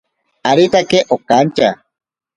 Aritake okantya.